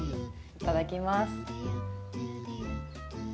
いただきます。